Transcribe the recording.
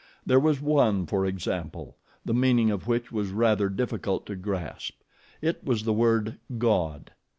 There was one, for example, the meaning of which was rather difficult to grasp. It was the word GOD.